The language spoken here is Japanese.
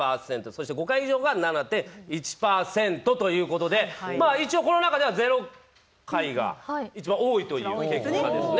そして５回以上が７．１％ということで一応、この中では０回が一番多いという結果ですね。